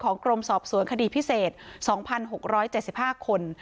กรมสอบสวนคดีพิเศษ๒๖๗๕คน